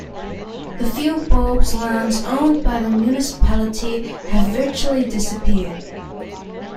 The few bulbs lands owned by the municipality, have virtually disappeared.